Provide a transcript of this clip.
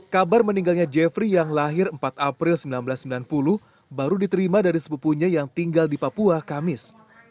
kabar meninggalnya jeffrey yang lahir empat april seribu sembilan ratus sembilan puluh baru diterima dari sepupunya yang tinggal di papua kamis